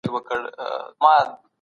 دې کیلي ډېرې دروازې پرانیستې دي.